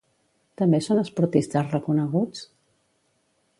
També són esportistes reconeguts?